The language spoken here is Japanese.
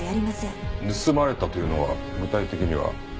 盗まれたというのは具体的には？